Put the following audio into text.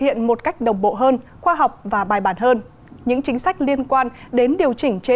hiện một cách đồng bộ hơn khoa học và bài bản hơn những chính sách liên quan đến điều chỉnh chế